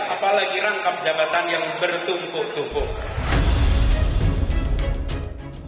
apalagi rangkap jabatan yang bertumpuk tumpuk